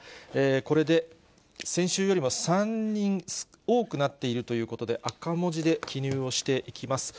これで先週よりも３人多くなっているということで、赤文字で記入をしていきます。